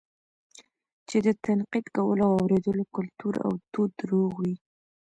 چې د تنقيد کولو او اورېدلو کلتور او دود روغ وي